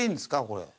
これ。